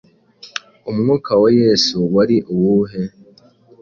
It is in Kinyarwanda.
Umwuka wa Yesu wari uwuhe?